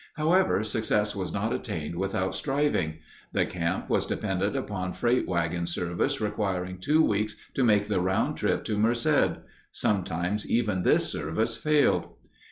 However, success was not attained without striving. The camp was dependent upon freight wagon service requiring two weeks to make the round trip to Merced. Sometimes even this service failed.